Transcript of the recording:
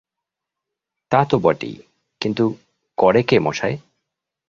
তা তো বটেই, কিন্তু করে কে মশায়?